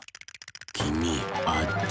きみあっち。